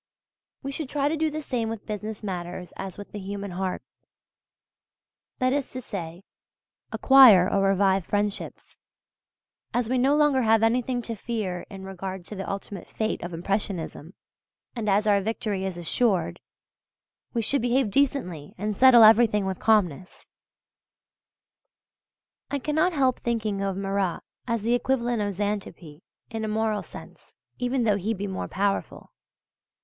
We should try to do the same with business matters as with the human heart that is to say, acquire or revive friendships{U}. As we no longer have anything to fear in regard to the ultimate fate of Impressionism, and as our victory is assured, we should behave decently and settle everything with calmness. I cannot help thinking of Marat as the equivalent of Xanthippe in a moral sense (even though he be more powerful).